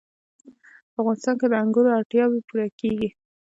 په افغانستان کې د انګورو اړتیاوې پوره کېږي.